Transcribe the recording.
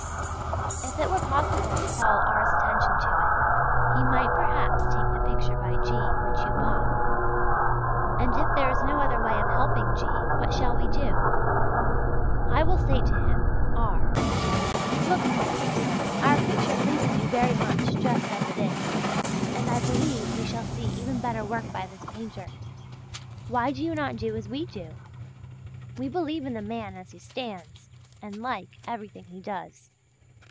If it were possible to call R.'s attention to it, he might perhaps take the picture by G. which you bought; and if there is no other way of helping G. what shall we do? I will say to him (R.): "Look here, our picture pleases you very much just as it is, and I believe we shall see even better work by this painter; why do you not do as we do? We believe in the man as he stands and like everything he does."